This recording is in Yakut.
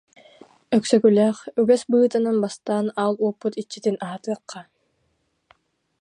Өксөкүлээх: «Үгэс быһыытынан бастаан аал уоппут иччитин аһатыахха